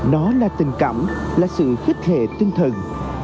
nó là tình cảm là sự khích hệ tinh thần